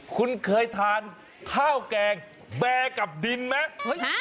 คุณเคยทานข้าวแกงแบร์กับดินไหม